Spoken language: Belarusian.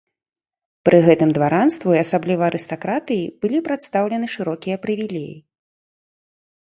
Пры гэтым дваранству і асабліва арыстакратыі былі прадстаўлены шырокія прывілеі.